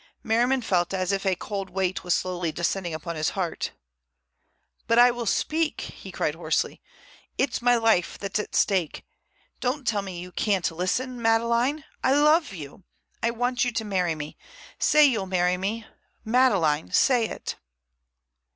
Merriman felt as if a cold weight was slowly descending upon his heart. "But I will speak," he cried hoarsely. "It's my life that's at stake. Don't tell me you can't listen. Madeleine! I love you. I want you to marry me. Say you'll marry me. Madeleine! Say it!"